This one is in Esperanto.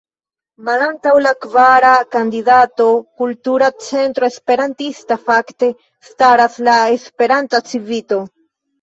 Malantaŭ la kvara kandidato, Kultura Centro Esperantista, fakte staras la Esperanta Civito.